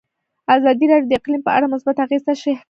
ازادي راډیو د اقلیم په اړه مثبت اغېزې تشریح کړي.